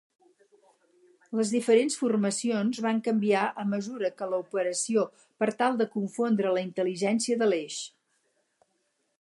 Les diferents formacions van canviar a mesura que l'operació per tal de confondre la intel·ligència de l'Eix.